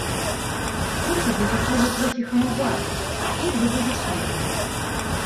Горад адначасова трохі хамаваты і добразычлівы.